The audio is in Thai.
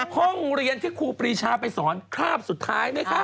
ห้องเรียนที่ครูปรีชาไปสอนคราบสุดท้ายไหมคะ